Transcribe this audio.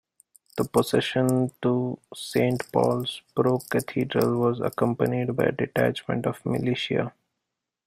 The procession to Saint Paul's Pro-Cathedral was accompanied by a detachment of militia.